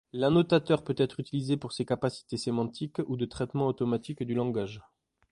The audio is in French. L'annotateur peut être utilisé pour ses capacités sémantiques ou de traitement automatique du langage.